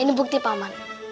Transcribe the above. ini bukti pak mand